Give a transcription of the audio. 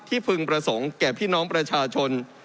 พึงประสงค์แก่พี่น้องประชาชน